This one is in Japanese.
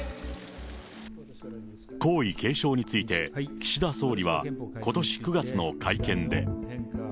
皇位継承について、岸田総理はことし９月の会見で。